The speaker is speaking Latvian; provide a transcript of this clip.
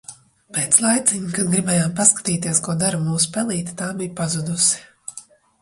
Pēc laiciņa, kad gribējām paskatīties, ko dara mūsu pelīte, tā bija pazudusi.